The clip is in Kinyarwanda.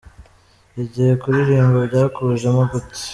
Igihe : Kuririmba byakujemo gute ?.